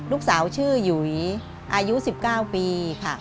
ลูกสาวชื่อหยุยอายุ๑๙ปีค่ะ